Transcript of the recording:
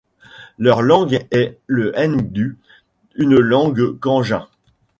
Leur langue est le ndut, une langue cangin.